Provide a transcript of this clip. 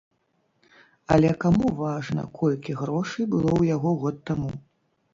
Але каму важна, колькі грошай было ў яго год таму?